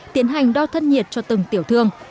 tiến hành đo thân nhiệt cho từng tiểu thương